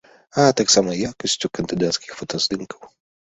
А таксама якасцю кандыдацкіх фотаздымкаў.